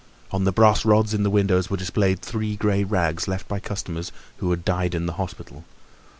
On the brass rods in the windows were displayed three grey rags left by customers who had died in the hospital.